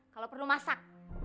kalo perlu masak